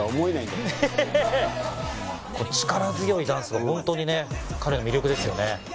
力強いダンスがホントに彼の魅力ですよね。